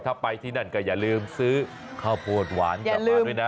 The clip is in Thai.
ถ้าไปที่นั่นก็อย่าลืมซื้อข้าวโพดหวานกลับมาด้วยนะ